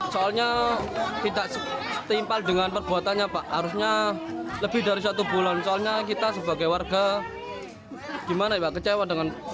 soalnya tidak setimpal dengan perbuatannya pak harusnya lebih dari satu bulan soalnya kita sebagai warga gimana ya pak kecewa dengan